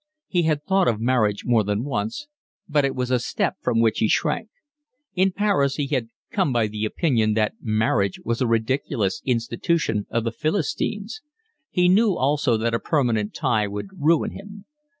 He had thought of marriage more than once, but it was a step from which he shrank. In Paris he had come by the opinion that marriage was a ridiculous institution of the philistines. He knew also that a permanent tie would ruin him.